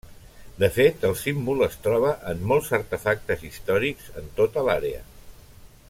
De fet, el símbol es troba en molts artefactes històrics en tota l'àrea.